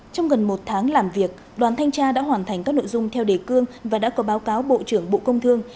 trong gần một tháng làm việc đoàn thanh tra đã hoàn thành các nội dung theo đề cương và đã có báo cáo bộ trưởng bộ công thương